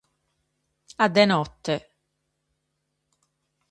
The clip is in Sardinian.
A de note.